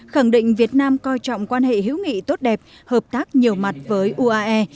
khẳng định việt nam coi trọng quan hệ hữu nghị tốt đẹp hợp tác nhiều mặt với uae